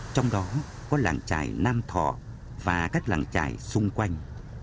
trong đó có làng trại nam thọ và các làng trại xung quanh